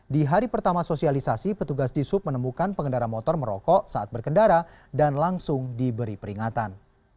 di hari pertama sosialisasi petugas di sub menemukan pengendara motor merokok saat berkendara dan langsung diberi peringatan